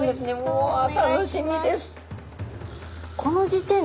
うわ楽しみです。